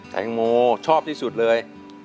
แตงโมชอบที่สุดเลย